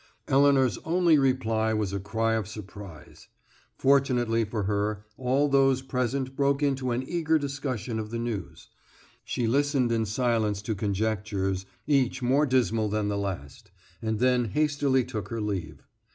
Elinor's only reply was a cry of surprise. Fortunately for her, all those present broke into an eager discussion of the news. She listened in silence to conjectures each more dismal than the last, and then hastily took her leave.